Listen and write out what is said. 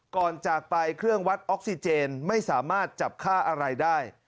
จากไปเครื่องวัดออกซิเจนไม่สามารถจับค่าอะไรได้